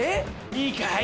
いいかい？